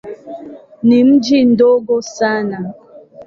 Ni mji mdogo sana.